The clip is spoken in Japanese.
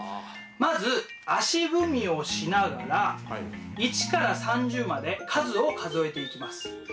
まず足踏みをしながら１から３０まで数を数えていきます。